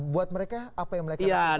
buat mereka apa yang mereka lakukan